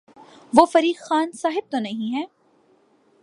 وہ فریق خان صاحب تو نہیں ہیں۔